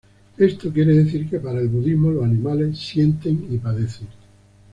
Esto quiere decir que para el budismo, los animales sienten y padecen.